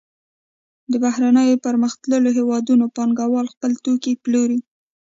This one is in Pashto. د بهرنیو پرمختللو هېوادونو پانګوال خپل توکي پلوري